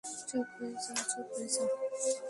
চুপ হয়ে যা, চুপ হয়ে যা।